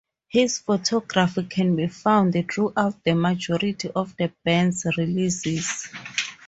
His photography can be found throughout the majority of the band's releases.